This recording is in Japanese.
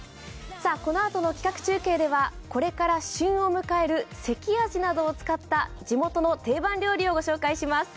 このあとの企画中継ではこれから旬を迎える関あじなどを使った地元の定番料理をご紹介します。